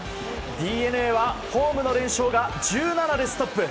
ＤｅＮＡはホームの連勝が１７でストップ。